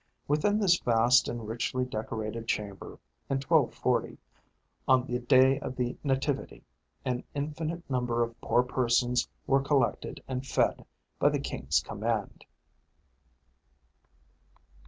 Within this vast and richly decorated chamber, in 1240, on the day of the Nativity, an infinite number of poor persons were collected and fed by the king's command.